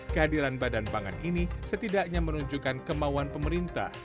kehadiran badan pangan ini setidaknya menunjukkan kemauan pemerintah